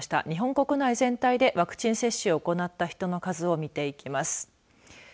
日本国内全体でワクチン接種を行った人の数を見ていきます。